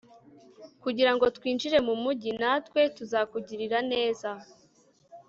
kugira ngo twinjire mu mugi; natwe tuzakugirira neza